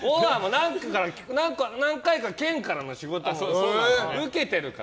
何回か県からの仕事も受けてるから。